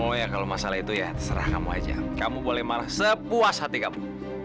oh ya kalau masalah itu ya serah kamu aja kamu boleh marah sepuas hati kamu